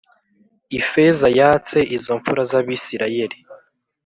Ifeza yatse izo mpfura z ‘Abisirayeli.